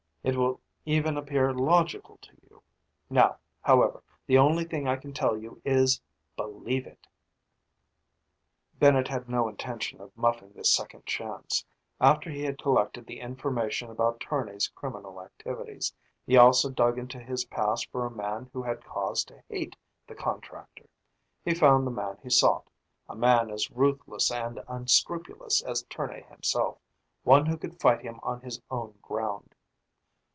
It will even appear logical to you. Now, however, the only thing I can tell you is believe it!" Bennett had no intention of muffing this second chance. After he had collected the information about Tournay's criminal activities, he also dug into his past for a man who had cause to hate the contractor. He found the man he sought, a man as ruthless and unscrupulous as Tournay himself, one who could fight him on his own ground.